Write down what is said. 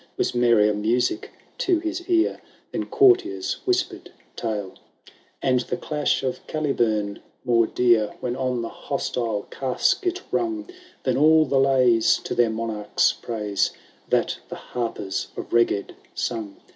Was merrier music to his ear Than courtier^s whispered tale : And the clash of Calibum more dear. When on the hostile casque it rung. Than all the lays To their monarches praise That the harpers of Reged sung.